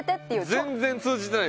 全然通じてないよ。